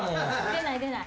出ない出ない。